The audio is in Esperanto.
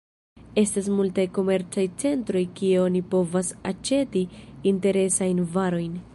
Estas multaj komercaj centroj kie oni povas aĉeti interesajn varojn.